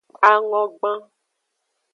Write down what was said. Angogban.